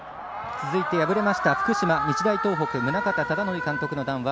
続いて、敗れました福島、日大東北宗像忠典監督の談話